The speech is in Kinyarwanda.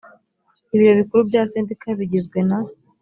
ibiro bikuru bya sendika bigizwe na